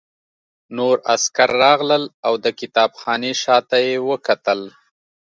نور عسکر راغلل او د کتابخانې شاته یې وکتل